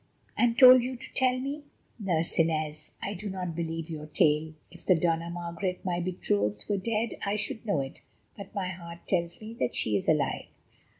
"And told you to tell me? Nurse Inez, I do not believe your tale. If the Dona Margaret, my betrothed, were dead I should know it; but my heart tells me that she is alive."